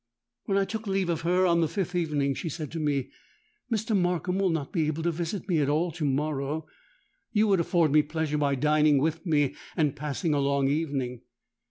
"When I took leave of her on the fifth evening she said to me, 'Mr. Markham will not be able to visit me at all to morrow: you would afford me pleasure by dining with me and passing a long evening.'